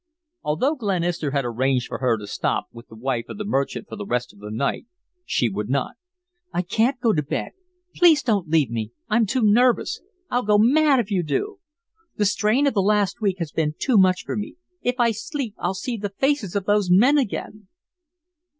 Although Glenister had arranged for her to stop with the wife of the merchant for the rest of the night, she would not. "I can't go to bed. Please don't leave me! I'm too nervous. I'll go MAD if you do. The strain of the last week has been too much for me. If I sleep I'll see the faces of those men again."